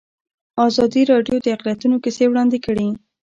ازادي راډیو د اقلیتونه کیسې وړاندې کړي.